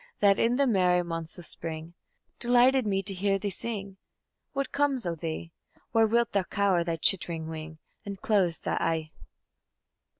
That in the merry months o' spring Delighted me to hear thee sing, What comes o' thee? Whare wilt thou cow'r thy chittering wing, And close thy e'e?